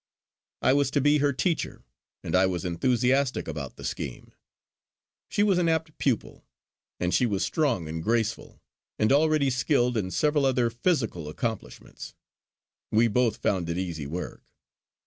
I was to be her teacher, and I was enthusiastic about the scheme. She was an apt pupil; and she was strong and graceful, and already skilled in several other physical accomplishments, we both found it easy work.